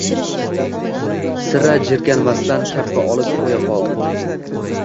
Sira jirkanmasdan, kappa otib qo‘yaqoldim